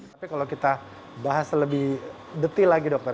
tapi kalau kita bahas lebih detil lagi dokter